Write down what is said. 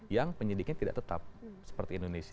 yang penyidiknya tidak tetap seperti indonesia